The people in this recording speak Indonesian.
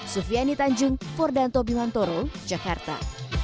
sufiani tanjung fordanto bimantoro jakarta